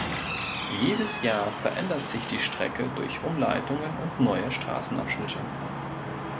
Jedes Jahr verändert sich die Strecke durch Umleitungen und neue Straßenabschnitte.